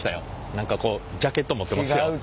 何かこうジャケット持ってますよ。